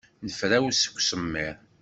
Nefrawes seg usemmiḍ.